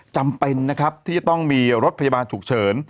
จำเป็นนะครับที่จะต้องมีรถพยาบาลฉุกเฉิน